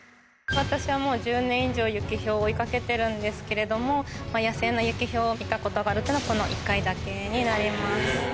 私はもう１０年以上、ユキヒョウを追いかけてるんですけれども、野生のユキヒョウを見たことがあるというのは、この１回だけになります。